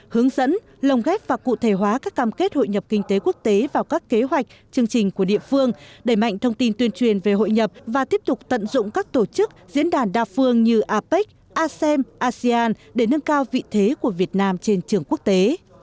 hướng dẫn lồng ghép và cụ thể hóa các cam kết hội nhập kinh tế quốc tế vào các kế hoạch chương trình của địa phương đẩy mạnh thông tin tuyên truyền về hội nhập và tiếp tục tận dụng các tổ chức diễn đàn đa phương như apec asem asean để nâng cao vị thế của việt nam trên trường quốc tế